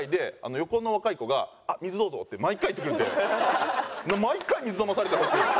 横の若い子が「水どうぞ」って毎回言ってくるんで毎回水飲まされて僕。